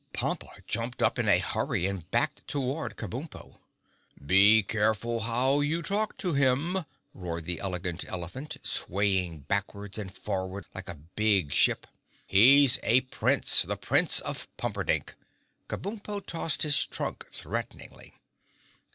Pompa jumped up in a hurry and backed toward Kabumpo. "Be careful how you talk to him," roared the Elegant Elephant, swaying backwards and forward like a big ship. "He's a Prince—the Prince of Pumperdink!" Kabumpo tossed his trunk threateningly.